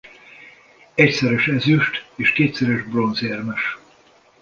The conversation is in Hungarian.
Egyszeres ezüst- és kétszeres bronzérmes.